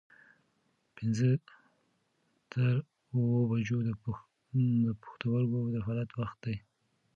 پنځه تر اووه بجو د پښتورګو د فعالیت وخت دی.